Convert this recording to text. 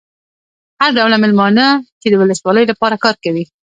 هر ډول مېلمانه چې د ولسوالۍ لپاره کار کوي.